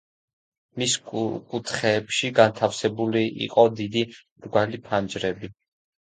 მის კუთხეებში განთავსებული იყო დიდი მრგვალი ფანჯრები.